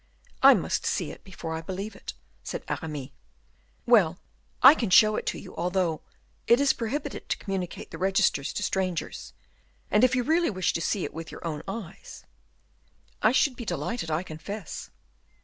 "I must see it before I believe it," said Aramis. "Well, I can show it to you, although it is prohibited to communicate the registers to strangers; and if you really wish to see it with your own eyes " "I should be delighted, I confess."